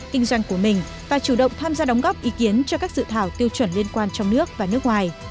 kinh doanh của mình và chủ động tham gia đóng góp ý kiến cho các dự thảo tiêu chuẩn liên quan trong nước và nước ngoài